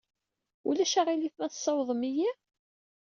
Ulac aɣilif ma tessawḍem-iyi?